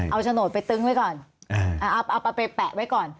เอาโฉนดไปตึ้งไว้ก่อนเอาไปแปะไว้ก่อน